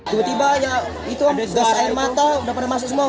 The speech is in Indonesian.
tiba tiba ya itu gas air mata udah pada masuk semua